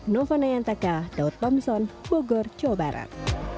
novo nayantaka daud bomsom bogor jawa barat